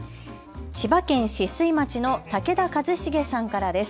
千葉県酒々井町の武田一成さんからです。